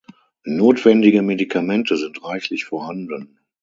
Notwendige Medikamente sind reichlich vorhanden.